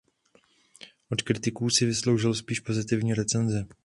Od kritiků si vysloužil spíš pozitivní recenze.